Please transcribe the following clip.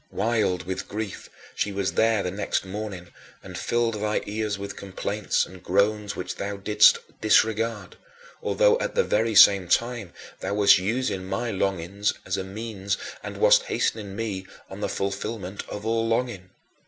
Wild with grief, she was there the next morning and filled thy ears with complaints and groans which thou didst disregard, although, at the very same time, thou wast using my longings as a means and wast hastening me on to the fulfillment of all longing.